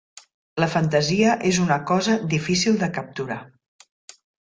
La fantasia és una cosa difícil de capturar.